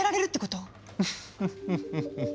ウフフフフ。